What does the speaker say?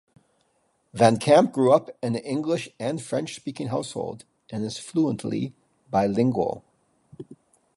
VanCamp grew up in an English- and French-speaking household and is fluently bilingual.